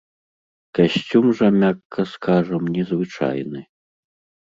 Касцюм жа, мякка скажам, незвычайны.